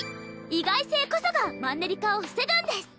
意外性こそがマンネリ化を防ぐんです。